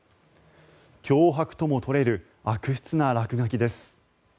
脅迫とも取れる悪質な落書きです。